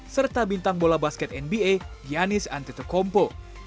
serta bintang bola basket nba giannis antetokounmpo